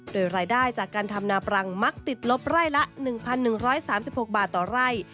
โดยรายได้จากการทำนาปรังมักติดลบไร่ละ๑๑๓๖บาทต่อไร่